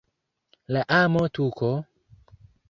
La amo-tuko?